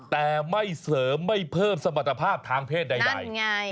แต่ไม่เสริมไม่เพิ่มสมรรถภาพทางเพศใด